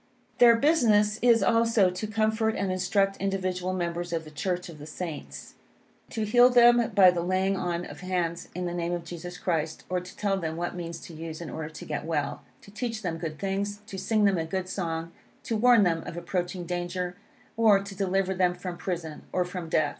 Their business is, also, to comfort and instruct individual members of the Church of the Saints; to heal them by the laying on of hands in the name of Jesus Christ, or to tell them what means to use in order to get well; to teach them good things, to sing them a good song, to warn them of approaching danger, or, to deliver them from prison, or from death.